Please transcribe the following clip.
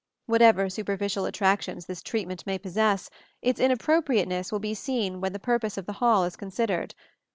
Whatever superficial attractions this treatment may possess, its inappropriateness will be seen when the purpose of the hall is considered.